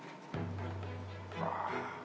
ああ。